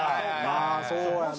まあそうやな。